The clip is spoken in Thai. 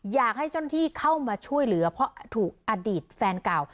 อยากให้เจ้าหน้าที่เข้ามาช่วยเหลือเพราะถูกอดีตแฟนเก่า